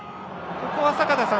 ここは坂田さん